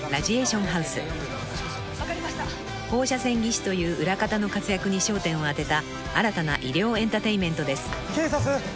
［放射線技師という裏方の活躍に焦点を当てた新たな医療エンターテインメントです］